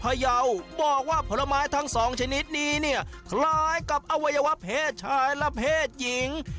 ยาวบอกว่าผลไม้ทั้งสองชนิดนี้เนี่ยคล้ายกับอวัยวะเพศชายและเพศหญิง